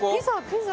ピザ？